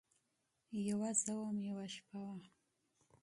یوه زه وم ، یوه شپه وه